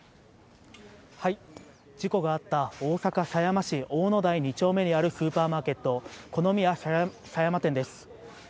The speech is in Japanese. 事故があった大阪狭山市大野台２丁目にあるスーパーマーケット、コノミヤ狭山店です。